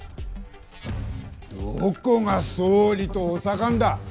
どこが総理と補佐官だ。